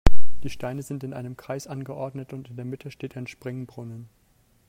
Die Steine sind in einem Kreis angeordnet und in der Mitte steht ein Springbrunnen.